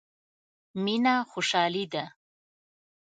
مينه خوشالي ده.